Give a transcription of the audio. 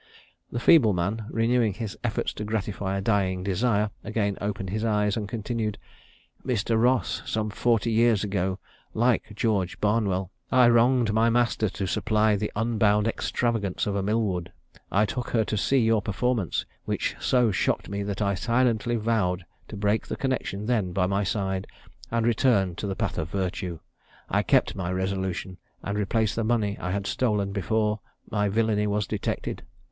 The feeble man, renewing his efforts to gratify a dying desire, again opened his eyes and continued: 'Mr. Ross, some forty years ago, like George Barnwell, I wronged my master to supply the unbounded extravagance of a Millwood. I took her to see your performance, which so shocked me that I silently vowed to break the connexion then by my side, and return to the path of virtue. I kept my resolution, and replaced the money I had stolen before my villany was detected.